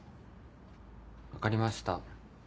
わかりました。